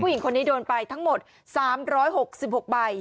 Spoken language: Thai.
หญิงคนนี้โดนไปทั้งหมด๓๖๖ใบ